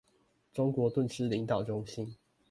中國頓失領導中心